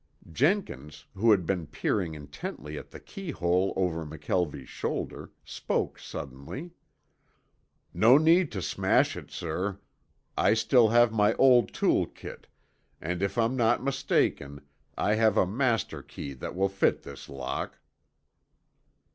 Jenkins, who had been peering intently at the key hole over McKelvie's shoulder, spoke suddenly. "No need to smash it, sir. I still have my old tool kit and if I'm not mistaken I have a master key that will fit this lock."